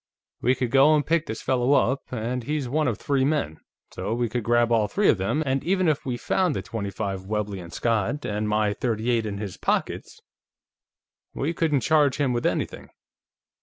We could go and pick this fellow up, and he's one of three men, so we could grab all three of them, and even if we found the .25 Webley & Scott and my .38 in his pockets, we couldn't charge him with anything.